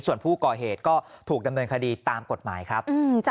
ส่วนผู้ก่อเหตุก็ถูกดำเนินคดีตามกฎหมายครับ